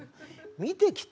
「見てきた？」